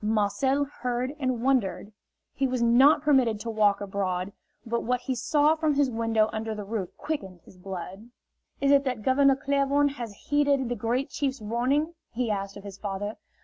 Marcel heard and wondered. He was not permitted to walk abroad, but what he saw from his window under the roof quickened his blood. "Is it that Governor Claiborne has heeded the Great Chief's warning?" he asked of his father.